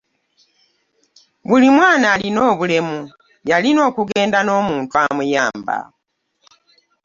Buli mwana alina obulemu yalina okugenda n'omuntu amuyamba.